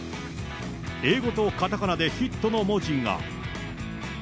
英語とかたかなでヒットの文字が。